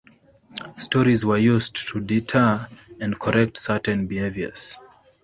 Stories were used to deter and correct certain behaviours.